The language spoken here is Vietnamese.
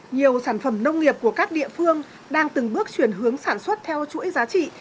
nhiều sản phẩm nông nghiệp của các địa phương đang từng bước chuyển hướng sản xuất theo chuỗi giá trị